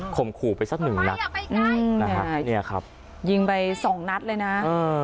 ขู่ไปสักหนึ่งนัดอืมนะฮะเนี่ยครับยิงไปสองนัดเลยนะเออ